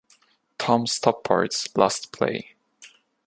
Tom Stoppard’s last play.